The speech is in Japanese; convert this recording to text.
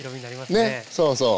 ねそうそう。